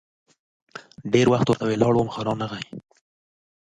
ډېر وخت ورته ولاړ وم ، خو رانه غی.